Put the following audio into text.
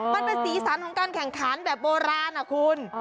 มันเป็นสีสันของการแข่งขันแบบโบราณนะคุณ